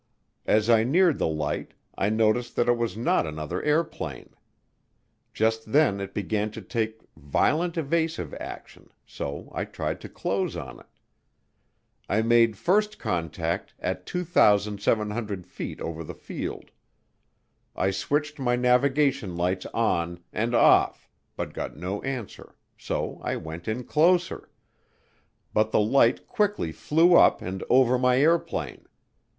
As I neared the light I noticed that it was not another airplane. Just then it began to take violent evasive action so I tried to close on it. I made first contact at 2,700 feet over the field. I switched my navigation lights on and off but got no answer so I went in closer but the light quickly flew up and over my airplane.